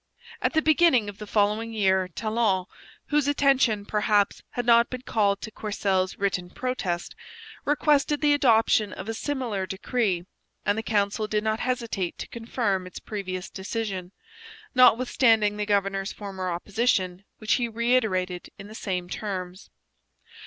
At the beginning of the following year Talon, whose attention perhaps had not been called to Courcelle's written protest, requested the adoption of a similar decree; and the council did not hesitate to confirm its previous decision, notwithstanding the governor's former opposition, which he reiterated in the same terms.